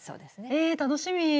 え楽しみ。